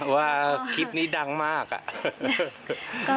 แฟนนิกส์แฟนนิกส์